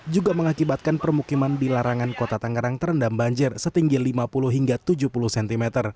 juga mengakibatkan permukiman di larangan kota tangerang terendam banjir setinggi lima puluh hingga tujuh puluh cm